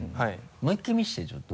もう１回見せてちょっと。